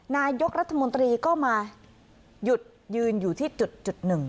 นายกรัฐมนตรีก็มาหยุดยืนอยู่ที่จุดหนึ่ง